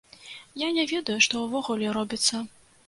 Я не ведаю, што ўвогуле робіцца.